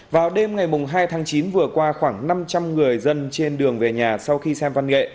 vào đêm ngày hai tháng chín vừa qua khoảng năm trăm linh người dân trên đường về nhà sau khi xem văn nghệ